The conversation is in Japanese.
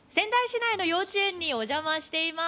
仙台市内の幼稚園にお邪魔しています。